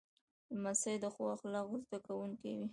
لمسی د ښو اخلاقو زده کوونکی وي.